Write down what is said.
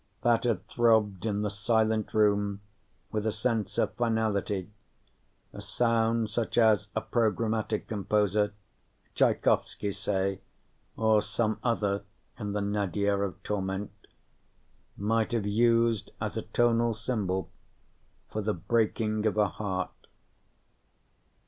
That had throbbed in the silent room with a sense of finality, a sound such as a programmatic composer Tchaikovsky, say, or some other in the nadir of torment might have used as a tonal symbol for the breaking of a heart.